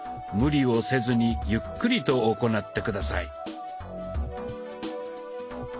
無理をせずにゆっくりと行って下さい。